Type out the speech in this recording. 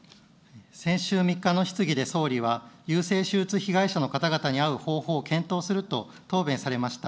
先週３日の質疑で総理は、優生手術被害者の方々に会う方法を検討すると答弁されました。